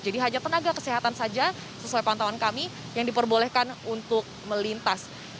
jadi hanya tenaga kesehatan saja sesuai pantauan kami yang diperbolehkan untuk melintas